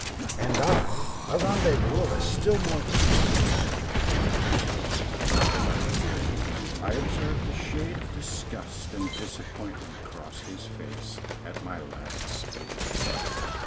"And I a rendezvous of a still more interesting character to keep;" and as I left Grandon I observed a shade of disgust and disappointment cross his face at my last speech.